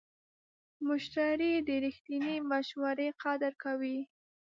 مشتری د رښتینې مشورې قدر کوي.